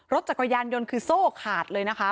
รถจักรยานยนต์คือโซ่ขาดเลยนะคะ